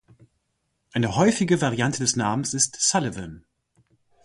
Eine häufige Variante des Namens ist Sullivan.